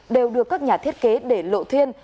đều được các nhà thiết kế để lộ thiên